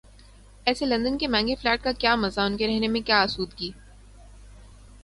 ایسے لندن کے مہنگے فلیٹ کا کیا مزہ، ان کے رہنے میں کیا آسودگی؟